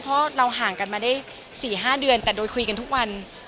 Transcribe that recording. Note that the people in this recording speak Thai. เพราะเราห่างกันมาได้๔๕เดือนแต่โดยคุยกันทุกวัน